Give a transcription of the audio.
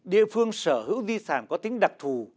địa phương sở hữu di sản có tính đặc thù